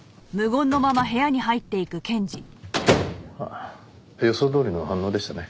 まあ予想どおりの反応でしたね。